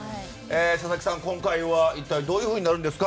佐々木さん、今回は一体どういうふうになるんですか？